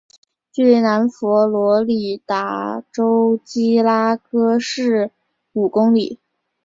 距离南佛罗里达州基拉戈市五公里。